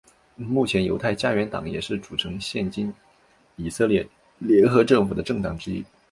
目前犹太家园党也是组成现今以色列联合政府的政党之一。